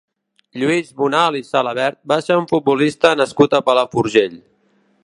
Lluís Bonal i Salavert va ser un futbolista nascut a Palafrugell.